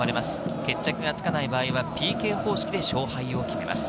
決着がつかない場合はＰＫ方式で勝敗を決めます。